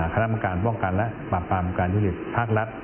ครปกรรบละและปปภทุธิตภล